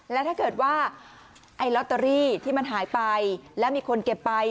และถ้าเกิดว่าไอ้ลอตเตอรี่ที่มันหายไปแล้วมีคนเก็บไป